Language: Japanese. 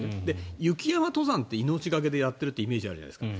雪山登山って命懸けでやっているイメージあるじゃないですか。